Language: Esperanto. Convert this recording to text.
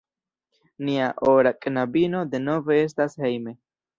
Nia ora knabino denove estas hejme!